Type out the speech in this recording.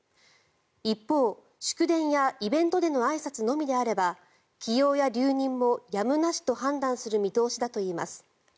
一方、祝電やイベントでのあいさつのみであれば起用や留任をやむなしと判断する見通しだといいます。